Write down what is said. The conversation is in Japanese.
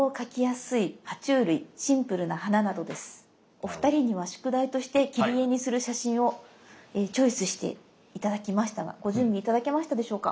お二人には宿題として切り絵にする写真をチョイスして頂きましたがご準備頂けましたでしょうか？